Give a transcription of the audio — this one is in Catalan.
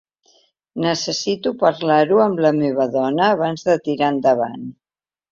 Necessito parlar-ho amb la meva dona abans de tirar endavant.